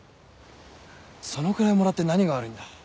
そのくらいもらって何が悪いんだ？